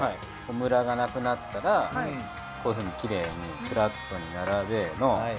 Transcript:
ムラがなくなったらこういうふうにきれいにフラットに並べの。